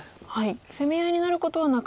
攻め合いになることはなくなったと。